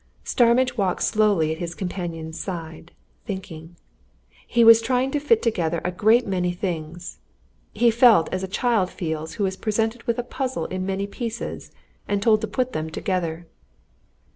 Starmidge walked slowly on at his companion's side, thinking. He was trying to fit together a great many things; he felt as a child feels who is presented with a puzzle in many pieces and told to put them together.